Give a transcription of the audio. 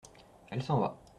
Elle s’en va.